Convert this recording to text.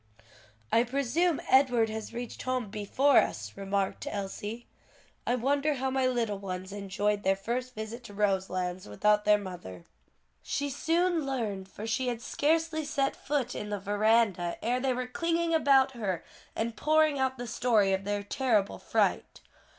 "I presume Edward has reached home before us," remarked Elsie, "I wonder how my little ones enjoyed their first visit to Roselands without their mother." She soon learned; for she had scarcely set foot in the veranda ere they were clinging about her and pouring out the story of their terrible fright.